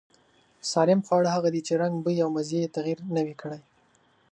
سالم خواړه هغه دي چې رنگ، بوی او مزې يې تغير نه وي کړی.